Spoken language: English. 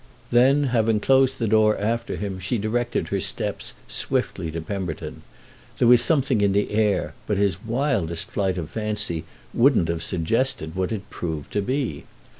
Then, having closed the door after him, she directed her steps swiftly to Pemberton. There was something in the air, but his wildest flight of fancy wouldn't have suggested what it proved to be.